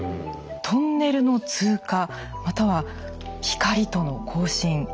トンネルの通過または光との交信。